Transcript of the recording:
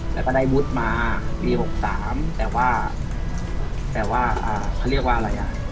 แล้วก็ได้วุฒิมาปี๖๓แต่ว่าแปลว่าเขาเรียกว่าอะไรอ่ะ